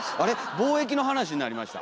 貿易の話になりました？